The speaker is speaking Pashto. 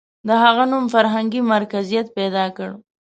• د هغه نوم فرهنګي مرکزیت پیدا کړ.